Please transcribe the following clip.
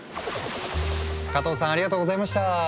加藤さんありがとうございました。